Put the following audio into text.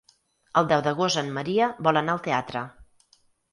El deu d'agost en Maria vol anar al teatre.